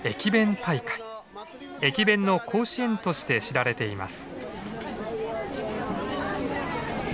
駅弁の甲子園として知られています。